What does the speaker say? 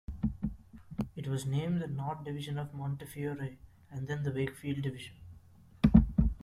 It was named the North Division of Montefiore, and then the Wakefield Division.